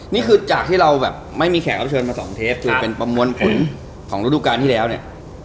นี่คือจากที่เราแบบไม่มีแขกรับเชิญมาสองเทปคือเป็นประมวลผลของฤดูการที่แล้วเนี่ย